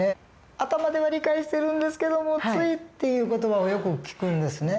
頭では理解してるんですけどもついっていう言葉をよく聞くんですね。